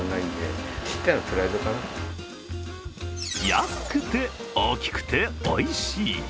安くて大きくておいしい。